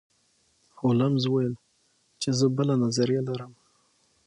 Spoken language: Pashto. هولمز وویل چې زه بله نظریه لرم.